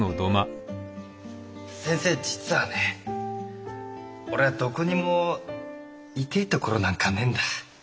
先生実はね俺ぁどこにも痛えところなんかねえんだ。